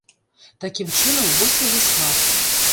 Такім чынам, вось яе склад.